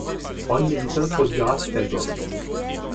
Ron Nevison produira cet album.